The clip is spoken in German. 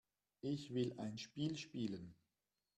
Ich will ein Spiel spielen.